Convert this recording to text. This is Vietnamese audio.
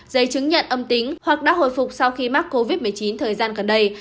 giấy chứng nhận âm tính hoặc đã hồi phục sau khi mắc covid một mươi chín thời gian gần đây